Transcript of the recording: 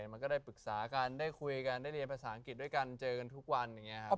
มันก็ได้ปรึกษากันได้คุยกันได้เรียนภาษาอังกฤษด้วยกันเจอกันทุกวันอย่างนี้ครับ